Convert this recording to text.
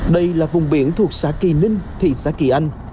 đây là vùng biển thuộc xã kỳ ninh thị xã kỳ anh